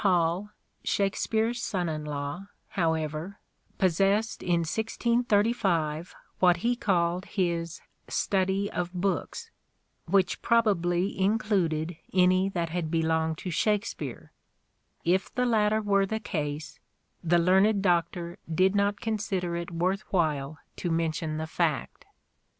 Hall — Shakspere's son in law — however, possessed in 1635 what he called his " study of books," " which probably included any that had belonged to Shakespeare. If 32 " SHAKESPEARE " IDENTIFIED the latter were the case, the learned doctor did not consider it worth while to mention the fact."